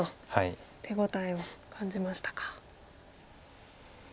手応えを感じましたか。